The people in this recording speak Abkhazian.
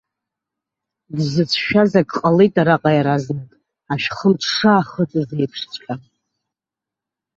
Дзыцәшәаз ак ҟалеит араҟа иаразнак, ашәхымс дшаахыҵыз еиԥшҵәҟьа.